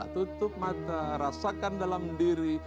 tutup mata rasakan dalam diri